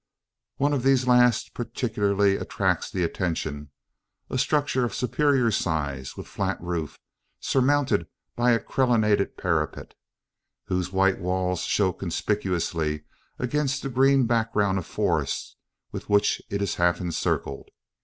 One of these last particularly attracts the attention: a structure of superior size with flat roof, surmounted by a crenelled parapet whose white walls show conspicuously against the green background of forest with which it is half encircled.